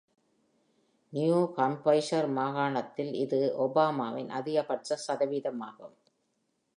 New ஹம்ப்ஷையர் மாகாணத்தில் இது ஒபாமாவின் அதிகபட்ச சதவீதமாகும்.